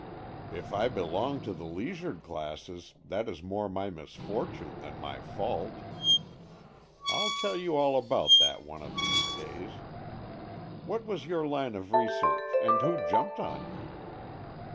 '' If I belong to the leisured classes, that is more my misfortune than my fault. I'll tell you all about that one of these days. What was your line of research, and Avho jumped on you.